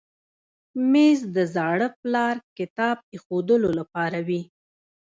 مېز د زاړه پلار کتاب ایښودلو لپاره وي.